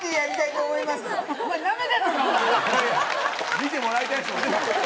見てもらいたいですもんね。